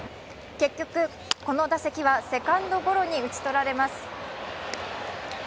結局、この打席はセカンドゴロに打ち取られます。